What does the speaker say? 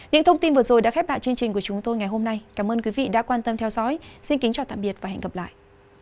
những thông tin vừa rồi đã khép lại chương trình của chúng tôi ngày hôm nay cảm ơn quý vị đã quan tâm theo dõi xin kính chào tạm biệt và hẹn gặp lại